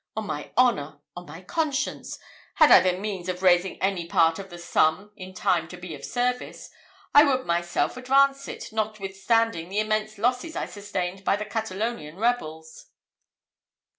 On my honour, on my conscience, had I the means of raising any part of the sum in time to be of service, I would myself advance it, notwithstanding the immense losses I sustained by the Catalonian rebels."